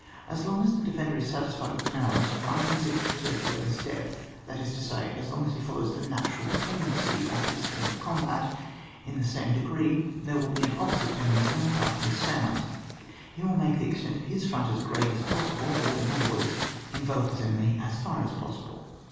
As long as the defender is satis fied with the narrowest front, and seeks to preserve the greatest depth, that is to say, as long as he follows the natural tendency of his form of combat, in the same degree there will be an opposite tendency on the part of the assailant ; he will make the extent of his fr*ont as great as possible, or, in other words, envelop his enemy as far as possible.